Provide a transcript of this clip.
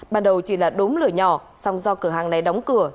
ban đầu chỉ là đống lửa nhỏ xong do cửa hàng này đóng cửa